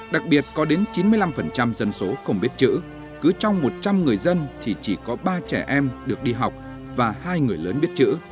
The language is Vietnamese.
đặc biệt có đến chín mươi năm dân số không biết chữ cứ trong một trăm linh người dân thì chỉ có ba trẻ em được đi học và hai người lớn biết chữ